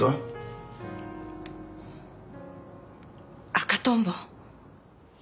『赤とんぼ』。